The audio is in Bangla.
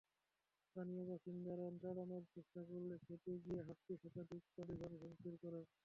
স্থানীয় বাসিন্দারা তাড়ানোর চেষ্টা করলে খেপে গিয়ে হাতিটি শতাধিক বাড়িঘর ভাংচুর করে।